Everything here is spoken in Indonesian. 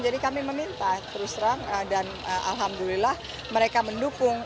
kami meminta terus terang dan alhamdulillah mereka mendukung